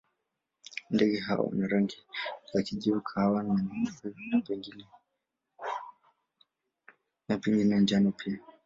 Ndege hawa wana rangi za kijivu, kahawa na nyeupe, pengine njano pia.